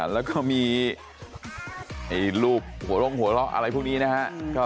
แล้วก็มีให้รูปหัวล่องหัวลอกอะไรพวกนี้นะฮะ